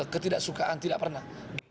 ketidaksukaan tidak pernah